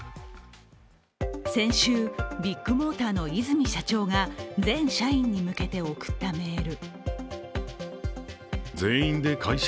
先週、ビッグモーターの和泉社長が全社員に向けて送ったメール。